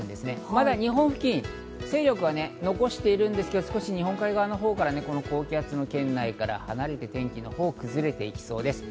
まだ日本付近、勢力は残しているんですけど、少し日本海側のほうから高気圧の圏内から離れて天気が崩れていきそうです。